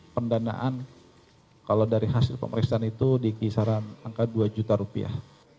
pendanaan kalau dari hasil pemeriksaan itu di kisaran angka dua juta rupiah